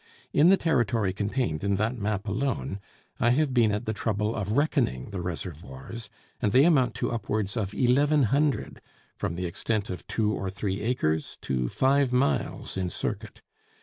In the territory contained in that map alone, I have been at the trouble of reckoning the reservoirs, and they amount to upwards of eleven hundred, from the extent of two or three acres to five miles in circuit.